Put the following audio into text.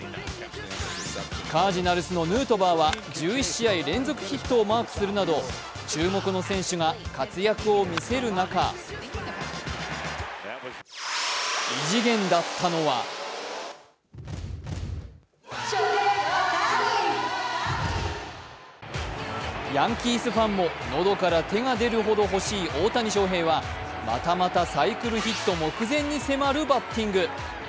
カージナルスのヌートバーは１１試合連続ヒットをマークするなど、注目の選手が活躍を見せる中異次元だったのはヤンキースファンも喉から手が出るほど欲しい大谷翔平はまたまたサイクルヒット目前に迫るバッティング。